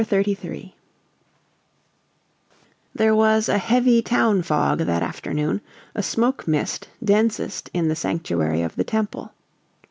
CHAPTER XXXIII There was a heavy town fog that afternoon, a smoke mist, densest in the sanctuary of the temple.